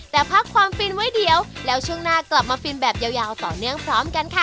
แต่พักความฟินไว้เดี๋ยวแล้วช่วงหน้ากลับมาฟินแบบยาวต่อเนื่องพร้อมกันค่ะ